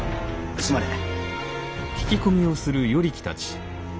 すまねえ。